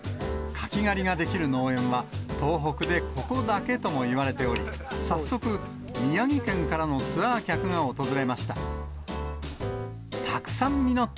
柿狩りができる農園は、東北でここだけともいわれており、早速、宮城県からのツアー客が訪れました。